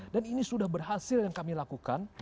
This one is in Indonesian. dan ini sudah berhasil yang kami lakukan